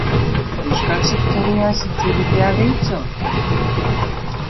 Euskal sektoreaz hitz egitea, gehitxo?